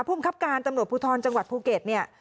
ภูมิครับการตำรวจภูทรจังหวัดภูเก็ตเนี่ย